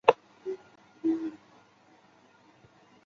松林园蛛为园蛛科园蛛属的动物。